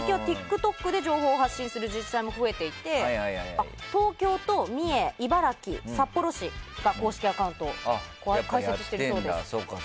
最近はＴｉｋＴｏｋで情報発信する自治体も増えていて東京、三重茨城、札幌市が公式アカウントを開設しているそうです。